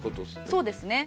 そうですね。